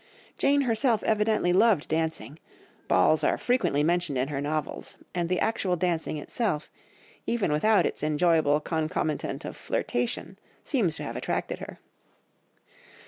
Jane herself evidently loved dancing, balls are frequently mentioned in her novels, and the actual dancing itself, even without its enjoyable concomitant of flirtation, seems to have attracted her.